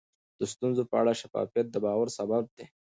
د ستونزو په اړه شفافیت د باور سبب دی.